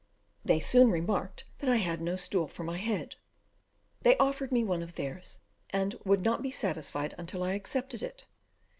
They soon remarked that I had no stool for my head. They offered me one of theirs, and would not be satisfied until I accepted it.